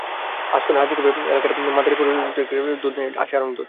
আশকোনা হাজিক্যাম্প এলাকার মাদারীপুর জেনারেল স্টোরে মিল্ক ভিটার দুধ নেই, আছে আড়ং দুধ।